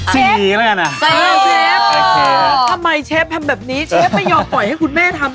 เชฟเชฟทำไมเชฟทำแบบนี้เชฟไม่ยอมปล่อยให้คุณแม่ทำ